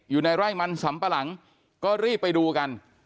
อยู่ในร่ายวันสำบรรหังก็รีบไปดูกัน